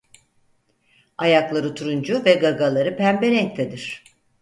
Ayakları turuncu ve gagaları pembe renktedir.